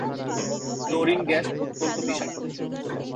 Chlorine gas অত্যন্ত বিষাক্ত।